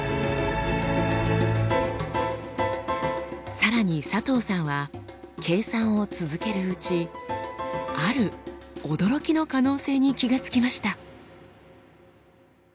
さらに佐藤さんは計算を続けるうちある驚きの可能性に気が付きました。